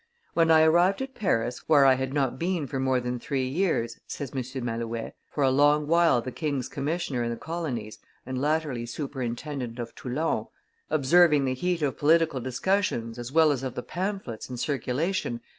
"When I arrived at Paris, where I had not been for more than three years," says M. Malouet, for a long while the king's commissioner in the colonies, and latterly superintendent of Toulon, "observing the heat of political discussions as well as of the pamphlets in circulation, M.